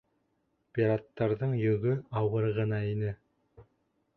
Пираттарҙың йөгө ауыр ғына ине.